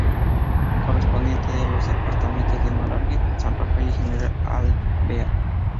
Correspondiente a los departamentos de Malargüe, San Rafael y General Alvear.